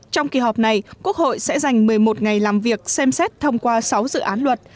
trong kỳ họp này quốc hội sẽ dành một mươi một ngày làm việc xem xét thông qua sáu dự án luật